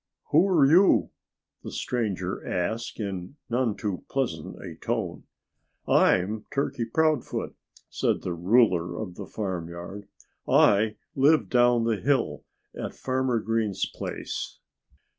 "Who are you?" the stranger asked in none too pleasant a tone. "I'm Turkey Proudfoot," said the ruler of the farmyard. "I live down the hill at Farmer Green's place."